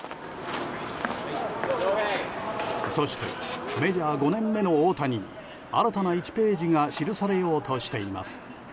そしてメジャー５年目の大谷に新たな１ページが記されようとしています。